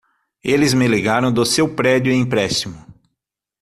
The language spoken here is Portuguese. Eles me ligaram do seu prédio e empréstimo.